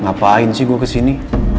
ngapain sih gue kesini